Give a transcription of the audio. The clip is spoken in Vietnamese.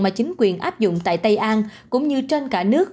mà chính quyền áp dụng tại tây an cũng như trên cả nước